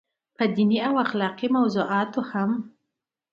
پۀ ديني او اخلاقي موضوعاتو هم